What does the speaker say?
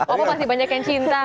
opa pasti banyak yang cinta